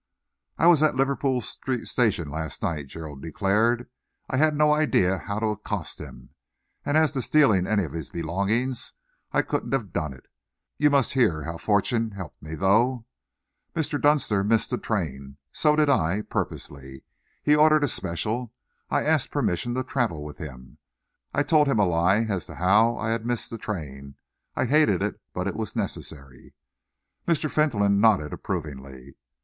"I was at Liverpool Street Station last night," Gerald declared. "I had no idea how to accost him, and as to stealing any of his belongings, I couldn't have done it. You must hear how fortune helped me, though. Mr. Dunster missed the train; so did I purposely. He ordered a special. I asked permission to travel with him. I told him a lie as to how I had missed the train. I hated it, but it was necessary." Mr. Fentolin nodded approvingly.